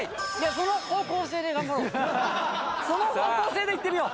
その方向性でいってみよう。